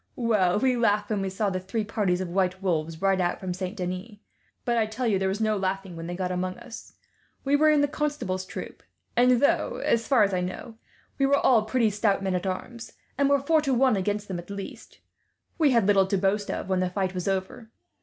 Well, we laughed when we saw the three parties of white wolves ride out from Saint Denis; but I tell you, there was no laughing when they got among us. We were in the Constable's troop; and though, as far as I know, we were all pretty stout men at arms, and were four to one against them at least, we had little to boast of when the fight was over.